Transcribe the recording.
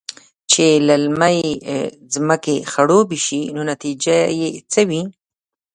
چې للمې زمکې خړوبې شي نو نتيجه يې څۀ وي؟